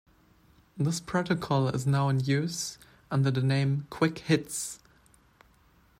This protocol is now in use under the name 'Quick Hitz.